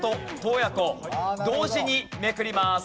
同時にめくります。